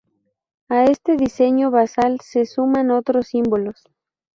A este diseño basal se suman otros símbolos.